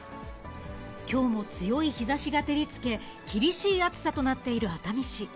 きょうも強い日ざしが照りつけ、厳しい暑さとなっている熱海市。